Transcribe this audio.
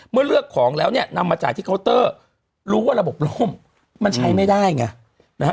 เมื่อเลือกของแล้วเนี่ยนำมาจ่ายที่เคาน์เตอร์รู้ว่าระบบร่มมันใช้ไม่ได้ไงนะฮะ